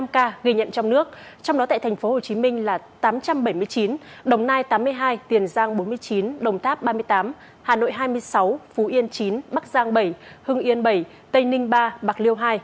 một một trăm linh năm ca ghi nhận trong nước trong đó tại thành phố hồ chí minh là tám trăm bảy mươi chín đồng nai tám mươi hai tiền giang bốn mươi chín đồng tháp ba mươi tám hà nội hai mươi sáu phú yên chín bắc giang bảy hưng yên bảy tây ninh ba bạc liêu hai